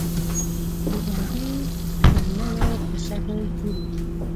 د جنگې چوڼیو په شکل جوړي دي،